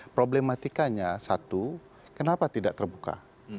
problematikanya satu kenapa tidak terbuka